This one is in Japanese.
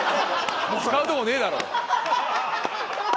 使うとこねえだろ。